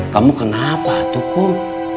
kamu kenapa tuh kum